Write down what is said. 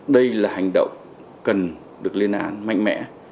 đây là hành động cần được lên án mạnh mẽ